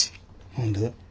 何で？